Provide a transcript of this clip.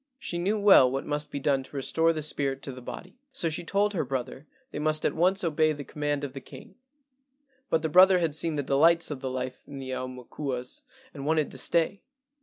She knew well what must be done to restore the spirit to the body, so she told her brother they must at once obey the command of the king; but the brother had seen the delights of the life of the aumakuas and wanted to stay.